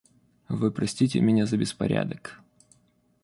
Вы простите меня за беспорядок.